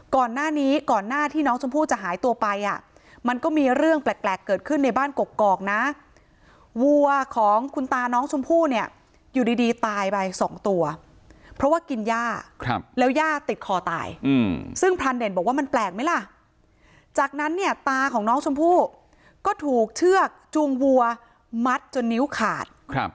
ก่อนหน้านี้ก่อนหน้าที่น้องชมพู่จะหายตัวไปอ่ะมันก็มีเรื่องแปลกเกิดขึ้นในบ้านกกอกนะวัวของคุณตาน้องชมพู่เนี่ยอยู่ดีตายไปสองตัวเพราะว่ากินย่าแล้วย่าติดคอตายซึ่งพรานเด่นบอกว่ามันแปลกไหมล่ะจากนั้นเนี่ยตาของน้องชมพู่ก็ถูกเชือกจูงวัวมัดจนนิ้วขาด